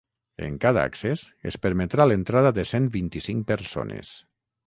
En cada accés es permetrà l’entrada de cent vint-i-cinc persones.